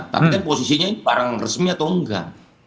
tapi posisinya ini barang resmi atau enggak